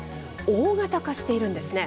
大型化しているんですね。